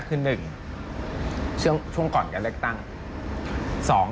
คือ๑ช่วงก่อนการเลือกตั้ง